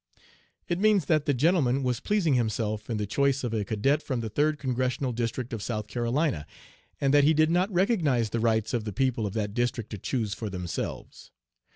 It means that the gentleman was pleasing himself in the choice of a cadet from the Third Congressional District of South Carolina, and that he did not recognize the rights of the people of that district to choose for themselves.